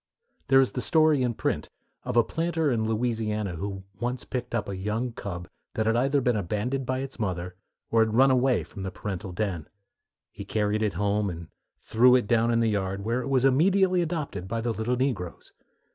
There is a story in print of a planter in Louisiana who once picked up a young cub that had either been abandoned by its mother, or had run away from the parental den. He carried it home and threw it down in the yard, where it was immediately adopted by the little negroes.